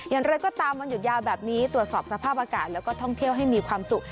อย่างไรก็ตามวันหยุดยาวแบบนี้ตรวจสอบสภาพอากาศแล้วก็ท่องเที่ยวให้มีความสุข